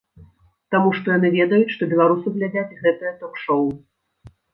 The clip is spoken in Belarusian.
Таму што яны ведаюць, што беларусы глядзяць гэтыя ток-шоў.